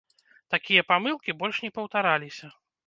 Такія памылкі больш не паўтараліся.